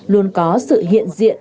luôn có sự hiện diện